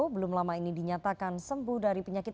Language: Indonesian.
belum lama ini dinyatakan sembuh dari penyakit